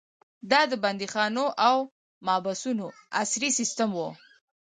دا د بندیخانو او محبسونو عصري سیستم و.